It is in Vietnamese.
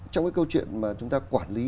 trong cái câu chuyện mà chúng ta quản lý